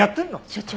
所長。